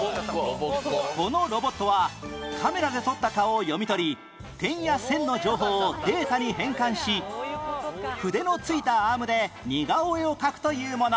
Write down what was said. このロボットはカメラで撮った顔を読み取り点や線の情報をデータに変換し筆のついたアームで似顔絵を描くというもの